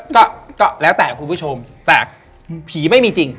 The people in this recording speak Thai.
ก็ก็แล้วแต่คุณผู้ชมแต่ผีไม่มีจริง